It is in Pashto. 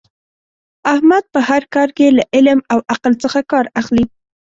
احمد په هر کار کې له علم او عقل څخه کار اخلي.